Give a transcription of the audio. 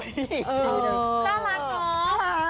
สะลัดเนอะ